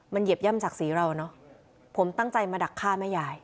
มันเหยียบย่ำจากสีเราเนอะผมตั้งใจมาดักฆ่าแม่ยาย